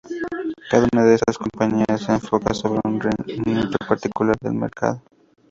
Cada una de estas compañías se enfoca sobre un nicho particular del mercado.